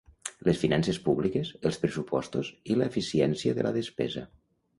Les finances públiques, els pressupostos i l'eficiència de la despesa.